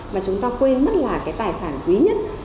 mà chúng ta quên mất là cái tài sản quý nhất